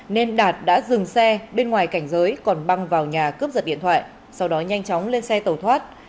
nên đạt đã dừng xe bên ngoài cảnh giới còn băng vào nhà cướp giật điện thoại sau đó nhanh chóng lên xe tẩu thoát